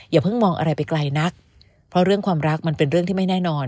อย่าเพิ่งมองอะไรไปไกลนักเพราะเรื่องความรักมันเป็นเรื่องที่ไม่แน่นอน